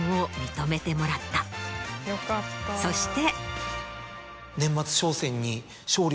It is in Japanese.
そして。